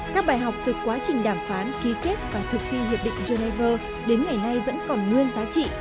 các bài học từ quá trình đàm phán ký kết và thực thi hiệp định geneva đến ngày nay vẫn còn nguyên giá trị